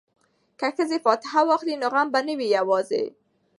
که ښځې فاتحه واخلي نو غم به نه وي یوازې.